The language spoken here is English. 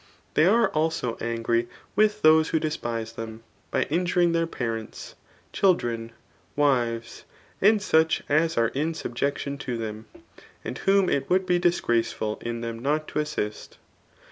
They are also apgry with those lirho despise them, by injuring their parents, c^ildrea^ wives, and such as are in subjection to thoi^ and whatt it would be disgraceful in them no( lo assist.